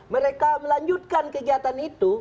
mereka melanjutkan kegiatan itu